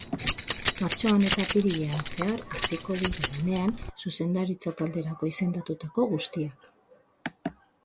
Martxoan eta apirilean zehar hasiko dira lanean zuzendaritza talderako izendatutako guztiak.